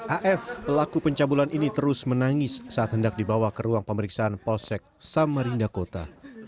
af pelaku pencabulan ini terus menangis saat hendak dibawa ke ruang pemeriksaan polsek samarinda kota